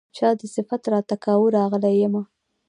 چا دې صفت راته کاوه راغلی يمه